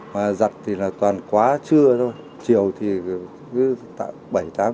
mà giặt thì là toàn quá trưa thôi chiều thì cứ tạo bảy một mươi